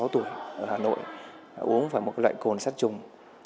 bốn sáu tuổi ở hà nội uống vào một loại cồn sát trùng